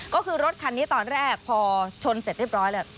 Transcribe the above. ก็คือรถคันนี้ตอนแรกพอชนเสร็จเรียบร้อยแล้ว